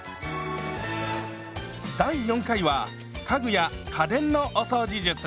第４回は家具や家電のお掃除術。